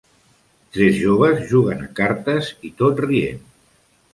Tres joves juguen a cartes i tot rient.